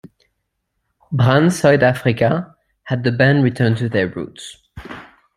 "Brand Suid-Afrika" had the band return to their roots.